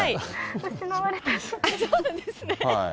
そうなんですね。